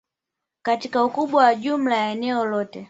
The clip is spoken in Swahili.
katika ukubwa wa jumla ya eneo lote